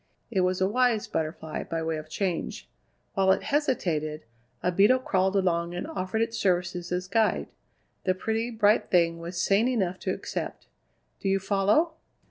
It was a wise butterfly, by way of change. While it hesitated, a beetle crawled along and offered its services as guide. The pretty, bright thing was sane enough to accept. Do you follow?"